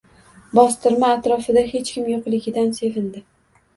Bostirma atrofida hech kim yoʻqligidan sevindi